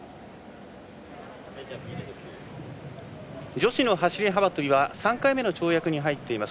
女子の走り幅跳びは３回目の跳躍に入っています。